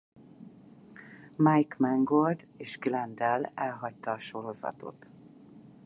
Mike Mangold és Glen Dell elhagyta a sorozatot.